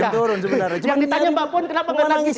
yang ditanya mbak puan kenapa nggak nangis